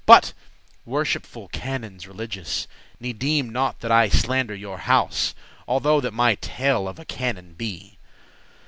But, worshipful canons religious, Ne deeme not that I slander your house, Although that my tale of a canon be.